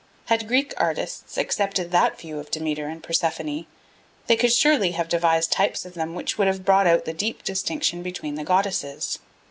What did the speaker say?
Had Greek artists accepted that view of Demeter and Persephone, they could surely have devised types of them which would have brought out the deep distinction between the goddesses.